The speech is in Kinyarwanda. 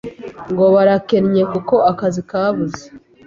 ngo barakennye kuko akazi kabuze